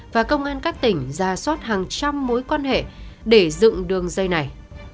và công an các tỉnh ra soát hàng trăm mối quan hệ để dựng đường dây này